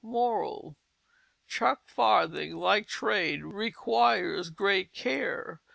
MORAL. "Chuck Farthing like Trade, Requires great Care.